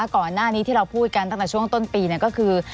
ก่อนหน้านี้ที่เราพูดกันตั้งแต่ช่วงต้นปีก็คือ